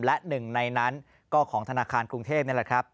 และหนึ่งในนั้นก็ของธนาคารกรุงเทพนี่แหละครับ